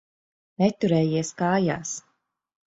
Neturējies kājās.